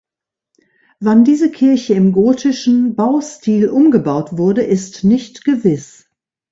Wann diese Kirche im gotischen Baustil umgebaut wurde, ist nicht gewiss.